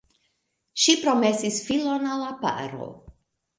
Ŝi promesis filon al la paro.